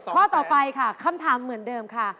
ข้อต่อไปค่ะคำถามเหมือนเดิมค่ะ